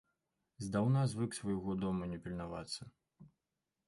Здаўна звык свайго дому не пільнавацца.